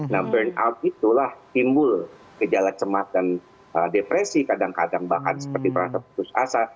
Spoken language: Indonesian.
nah burn out itulah timbul gejala cemas dan depresi kadang kadang bahkan seperti perasaan putus asa